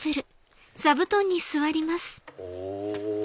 お！